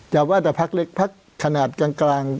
ว่าแต่พักเล็กพักขนาดกลาง